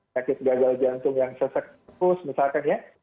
sakit gagal jantung yang sesekus misalkan ya